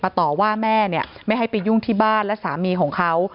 ต่อว่าแม่เนี่ยไม่ให้ไปยุ่งที่บ้านและสามีของเขา